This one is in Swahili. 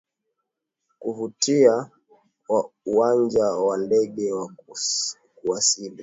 kuvutia wa uwanja wa ndege wa kuwasili